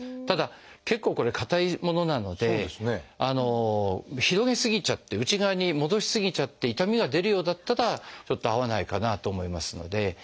ただ結構これ硬いものなので広げ過ぎちゃって内側に戻し過ぎちゃって痛みが出るようだったらちょっと合わないかなと思いますので。